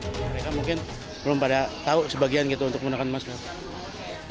mereka mungkin belum pada tahu sebagian gitu untuk menggunakan masker